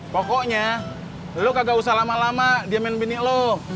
pokoknya lu kagak usah lama lama dia main binik lu